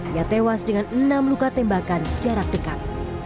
ia tewas dengan enam luka tembakan jarak dekat